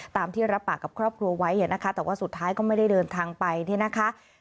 ตามที่รับปากกับครอบครัวไว้นะคะแต่ว่าสุดท้ายก็ไม่ได้เดินทางไปเนี่ยนะคะ